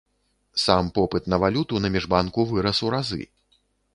Сам попыт на валюту на міжбанку вырас у разы.